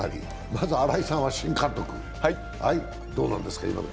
まず新井さんは新監督、今の気持ちはどうなんですか？